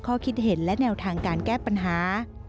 ข้อคิดเห็นและแนวทางการแก้ปัญหา